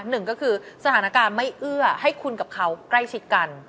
หนึ่งก็คือสถานการณ์ไม่เอื้อให้คุณกับเขาใกล้ชิดกัน